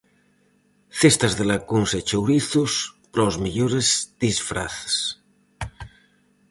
Cestas de lacóns e chourizos para os mellores disfraces.